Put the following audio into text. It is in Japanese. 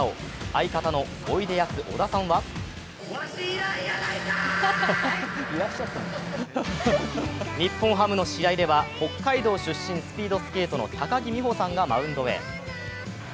相方のおいでやす小田さんは日本ハムの試合では北海道出身、スピードスケートの高木美帆さんがマウンドへ。